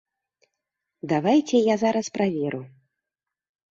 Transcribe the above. Давайце я зараз праверу.